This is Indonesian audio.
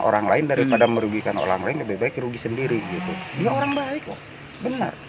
orang lain daripada merugikan orang lain lebih baik rugi sendiri gitu dia orang baik loh benar